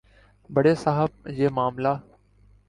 بڑے صاحب یہ معاملہ